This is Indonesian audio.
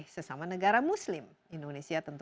sesama negara muslim indonesia tentu